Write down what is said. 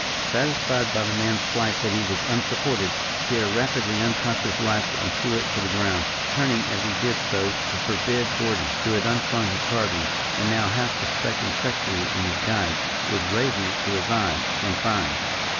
Satisfied by the man's flight that he was unsupported, Pierre rapidly uncocked his rifle, and threw it to the ground, turning as he did so to forbid Gordon who had unslung his carbine, and now half suspecting treachery in his guide, was raising it to his eye from firing.